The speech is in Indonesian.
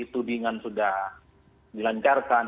tudingan sudah dilancarkan